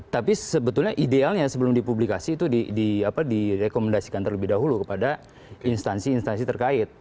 tapi sebetulnya idealnya sebelum dipublikasi itu direkomendasikan terlebih dahulu kepada instansi instansi terkait